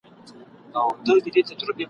له باران سره ملګري توند بادونه ..